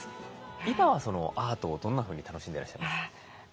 今はアートをどんなふうに楽しんでらっしゃいますか？